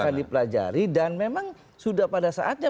akan dipelajari dan memang sudah pada saatnya